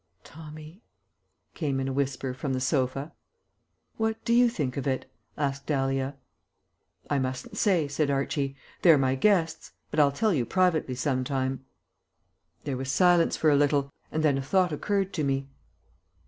"Tommy," came in a whisper from the sofa. "What do you think of it?" asked Dahlia. "I mustn't say," said Archie; "they're my guests. But I'll tell you privately some time." There was silence for a little, and then a thought occurred to me.